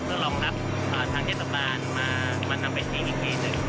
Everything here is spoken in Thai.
ต้องรองรับทางยสตราบาลมาลำไปทีอีกทีหนึ่ง